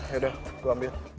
yaudah gue ambil